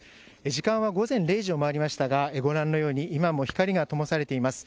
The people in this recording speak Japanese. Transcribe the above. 時間は午前０時を回りましたが、ご覧のように今も光がともされています。